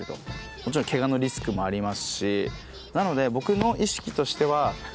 もちろんケガのリスクもありますし。